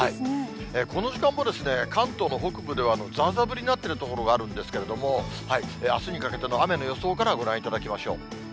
この時間も、関東の北部では、ざーざー降りになってる所があるんですけども、あすにかけての雨の予想からご覧いただきましょう。